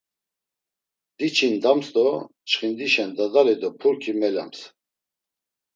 Diçindams do çxindişen dadali do purki melams.